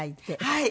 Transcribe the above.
はい。